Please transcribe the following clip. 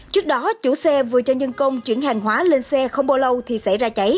trước đó chủ xe vừa cho nhân công chuyển hàng hóa lên xe không bao lâu thì xảy ra cháy